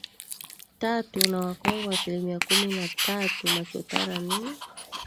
tatu na Wakongo asilimia kumi na tatu Machotara ni